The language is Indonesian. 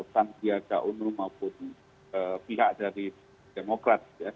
sandiaga uno maupun pihak dari demokrat